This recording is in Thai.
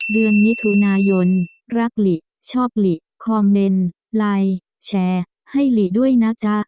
เดือนมิถุนายนรักหลิชอบหลีคอมเมนต์ไลน์แชร์ให้หลีด้วยนะจ๊ะ